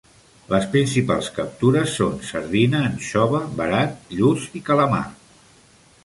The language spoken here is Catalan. Les principals captures són: sardina, anxova, verat, lluç i calamar.